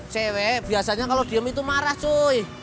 cewek biasanya kalau diemin tuh marah cuy